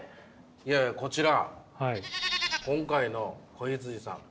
いやいやこちら今回の子羊さん